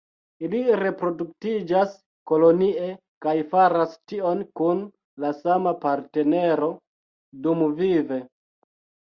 Ili reproduktiĝas kolonie, kaj faras tion kun la sama partnero dumvive.